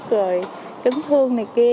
rồi trấn thương này kia